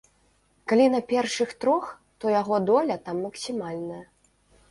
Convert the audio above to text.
Калі на першых трох, то яго доля там максімальная.